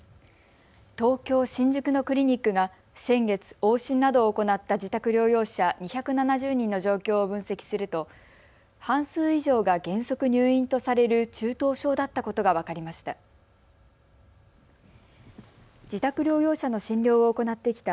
東京新宿のクリニックが先月、往診などを行った自宅療養者２７０人の状況を分析すると半数以上が原則入院とされる中等症だったことが分かりました。